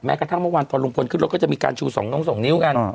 กระทั่งเมื่อวานตอนลุงพลขึ้นรถก็จะมีการชู๒นิ้วกัน